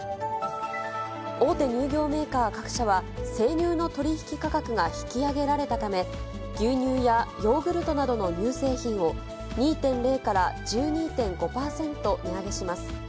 大手乳業メーカー各社は、生乳の取り引き価格が引き上げられたため、牛乳やヨーグルトなどの乳製品を２．０から１２．５％値上げします。